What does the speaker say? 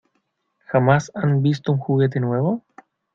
¿ Jamás han visto un juguete nuevo?